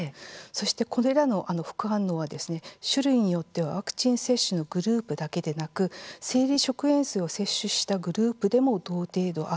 そして、これらの副反応は種類によってはワクチン接種のグループだけでなく生理食塩水を接種したグループでも同程度あったんです。